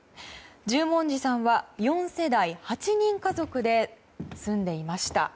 十文字さんは４世代８人家族で住んでいました。